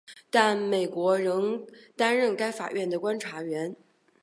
但美国仍担任该法院的观察员。